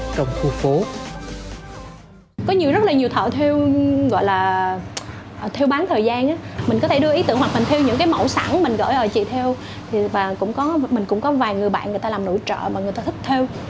thì mình cũng có vài người bạn người ta làm nữ trợ và người ta thích theo